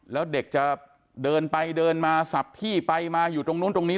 แล้วเด็กจะเดินไปเดินมาสับพี่ไปมาอยู่ตรงนู้นตรงนี้